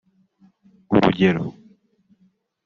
urugero